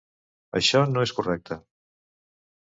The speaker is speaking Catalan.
Això no és correcte.